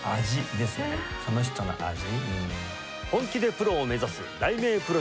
その人の味。